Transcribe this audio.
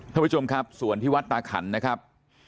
ท่านผู้ชมครับส่วนที่วัดตาขันนะครับ